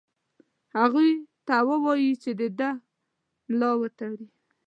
هغوی ته ووايی چې د ده ملا وتړي.